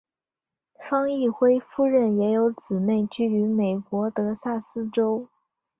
方奕辉夫人也有姊妹居于美国德萨斯州。